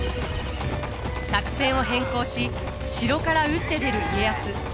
作戦を変更し城から打って出る家康。